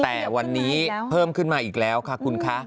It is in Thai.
แต่วันนี้เพิ่มขึ้นมาอีกแล้วค่ะคุณคะ